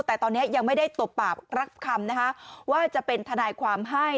แต่ตอนนี้ยังไม่ได้ตบปากรับคำนะคะว่าจะเป็นทนายความให้